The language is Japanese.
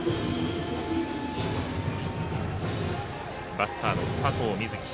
バッターの佐藤瑞祇。